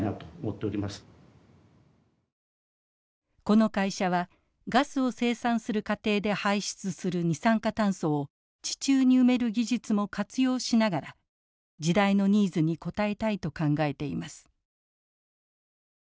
この会社はガスを生産する過程で排出する二酸化炭素を地中に埋める技術も活用しながら時代のニーズに応えたいと考えています。